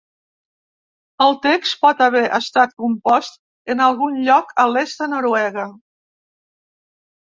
El text pot haver estat compost en algun lloc a l'est de Noruega.